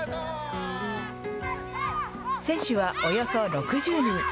選手はおよそ６０人。